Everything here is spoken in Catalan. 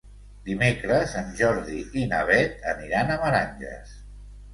Dimecres en Jordi i na Beth aniran a Meranges.